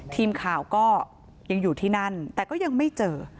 ทีมข่าวก็ยังอยู่ที่นั่นแต่ก็ยังไม่เจอ